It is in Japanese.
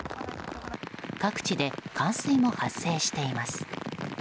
各地で冠水も発生しています。